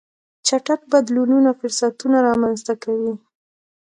چټک بدلونونه فرصتونه رامنځته کوي.